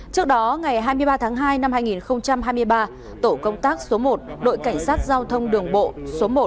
trước đó ngày hai mươi ba tháng hai năm hai nghìn hai mươi ba tổ công tác số một đội cảnh sát giao thông đường bộ số một